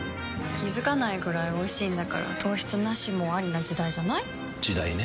気付かないくらいおいしいんだから糖質ナシもアリな時代じゃない？時代ね。